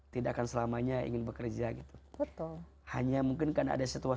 tidak akan selamanya ingin bekerja gitu